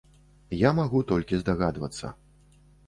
Я магу толькі здагадвацца.